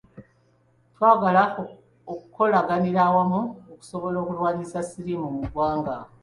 Twagala okukolaganira awamu okusobola okulwanyisa siriimu mu ggwanga.